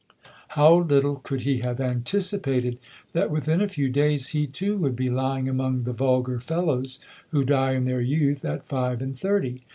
'" How little could he have anticipated that within a few days he, too, would be lying among the "vulgar fellows" who die in their youth at five and thirty!